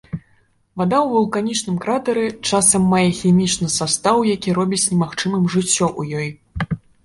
Вада ў вулканічным кратары часам мае хімічны састаў, які робіць немагчымым жыццё ў ёй.